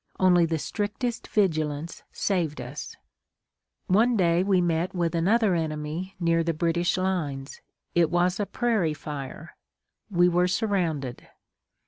Only the strictest vigilance saved us. One day we met with another enemy near the British lines. It was a prairie fire. We were surrounded.